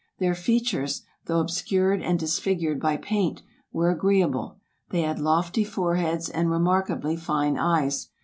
Their features, though ob scured and disfigured by paint, were agreeable; they had lofty foreheads and remarkably fine eyes.